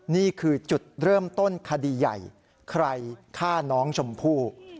นี่คือจุดเริ่มต้นคดีใหญ่ใครฆ่าน้องชมพู่